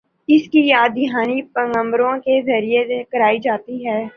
اس کی یاد دہانی پیغمبروں کے ذریعے کرائی جاتی ہے۔